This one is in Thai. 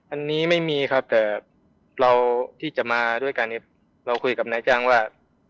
อันนี้ไม่มีครับแต่เราที่จะมาด้วยกันเนี่ยเราคุยกับนายจ้างว่า